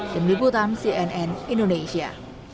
dendam ibu tan cnn indonesia